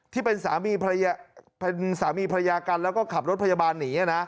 ที่เป็นสามีพระยากันแล้วก็ขับรถพยาบาลหนี